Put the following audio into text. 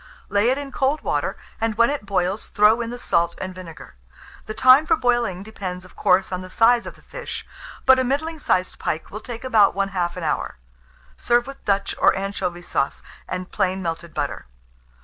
Lay it in cold water, and when it boils, throw in the salt and vinegar. The time for boiling depends, of course, on the size of the fish; but a middling sized pike will take about 1/2 an hour. Serve with Dutch or anchovy sauce, and plain melted butter.